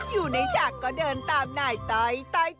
อยู่ในจักรก็เดินตามหน้าต้อย